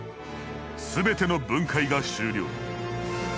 全ての分解が終了。